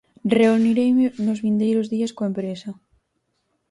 Reunireime nos vindeiros días coa empresa.